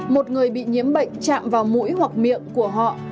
một người bị nhiễm bệnh chạm vào mũi hoặc miệng của họ